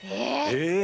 え！